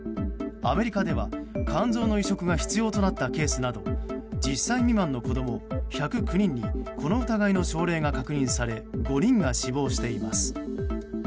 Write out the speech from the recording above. アメリカでは肝臓の移植が必要となったケースなど１０歳未満の子供１０９人にこの疑いの症例が確認され５人が死亡しています。